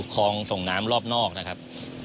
คลองส่งน้ำรอบนอกนะครับ